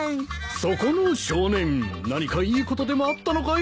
そこの少年何かいいことでもあったのかい？